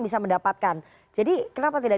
bisa mendapatkan jadi kenapa tidak